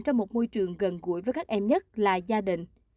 trong một môi trường gần gũi với các em nhất là gia đình